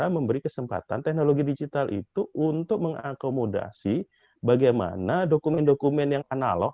dan cara memberi kesempatan teknologi digital itu untuk mengakomodasi bagaimana dokumen dokumen yang analog